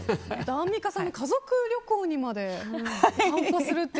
アンミカさんの家族旅行にまで参加するって。